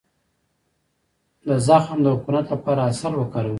د زخم د عفونت لپاره عسل وکاروئ